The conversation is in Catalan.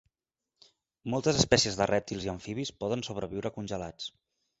Moltes espècies de rèptils i amfibis poden sobreviure congelats.